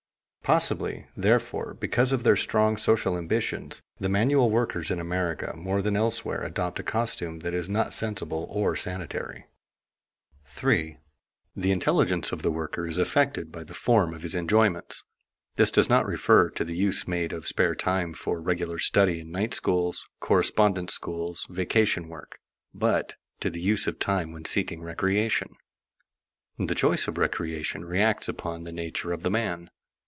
Possibly, therefore, because of their strong social ambitions, the manual workers in America more than elsewhere adopt a costume that is not sensible or sanitary. [Sidenote: Reactions of enjoyment upon the intelligence] 3. The intelligence of the worker is affected by the form of his enjoyments. This does not refer to the use made of spare time for regular study in night schools, correspondence schools, vacation work, but to the use of time when seeking recreation. The choice of recreation reacts upon the nature of the man.